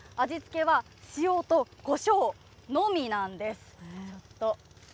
味付けは塩とこしょうのみなんです。